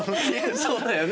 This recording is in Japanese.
そうだよね。